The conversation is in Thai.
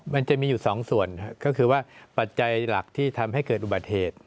มันจะมีอยู่สองส่วนก็คือว่าปัจจัยหลักที่ทำให้เกิดอุบัติเหตุ